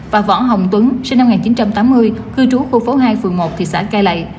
và võ hồng tuấn sinh năm một nghìn chín trăm tám mươi cư trú khu phố hai phường một thị xã cai lậy